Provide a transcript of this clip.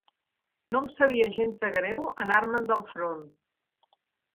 No em sabia gens de greu anar-me'n del front